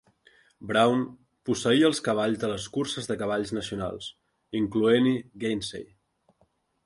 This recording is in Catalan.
Brown posseïa els cavalls de les curses de cavalls nacionals, incloent-hi Gainsay.